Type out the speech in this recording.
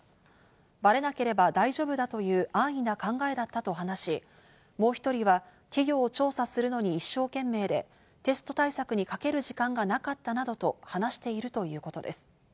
バレなければ大丈夫だという安易な考えだったと話し、もう１人は、企業を調査するのに一生懸命でテスト対策にかける時間がなかったなどと話しているということです。